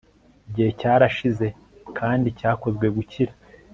igihe cyarashize, kandi cyakozwe gukira